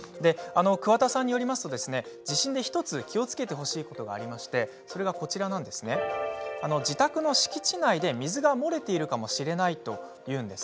鍬田さんによりますと、地震で１つ気をつけてほしいことがありまして自宅の敷地内で水が漏れているかもしれないというんです。